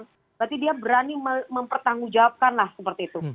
berarti dia berani mempertanggungjawabkan lah seperti itu